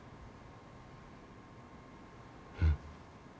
うん。